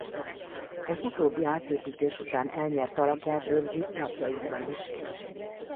Ez utóbbi átépítés után elnyert alakját őrzi napjainkban is.